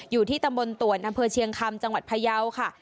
อยู่ที่ตำบลตวนอำเภอเชียงคำจังหวัดพยาวค่ะ